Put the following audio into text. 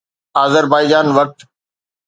Azerbaijan وقت